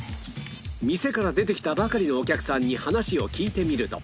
店から出てきたばかりのお客さんに話を聞いてみると